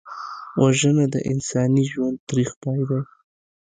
وژنه د انساني ژوند تریخ پای دی